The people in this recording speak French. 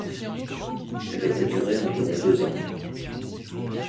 Elle devrait durer environ deux ans.